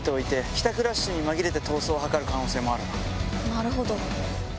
なるほど。